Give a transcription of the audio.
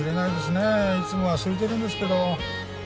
いつもは空いてるんですけど。